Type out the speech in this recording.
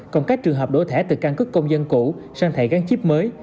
còn các trường hợp đổ thẻ từ căn cước công dân cũ sang thẻ gắn chip mới